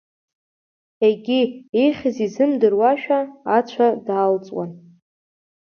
Егьи, ихьыз изымдыруазшәа, ацәа даалҵуан.